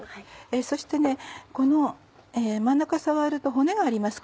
そして真ん中触ると骨があります